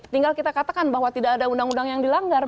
tinggal kita katakan bahwa tidak ada undang undang yang dilanggar